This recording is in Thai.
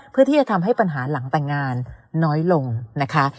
เพื่อที่จะทำให้ปัญหาหลังแต่งงานน้อยลงนะคะ